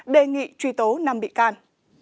đề nghị truy tố năm bị can